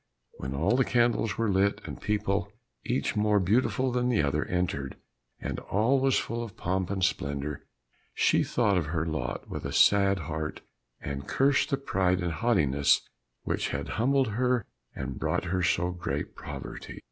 When all the candles were lit, and people, each more beautiful than the other, entered, and all was full of pomp and splendour, she thought of her lot with a sad heart, and cursed the pride and haughtiness which had humbled her and brought her to so great poverty.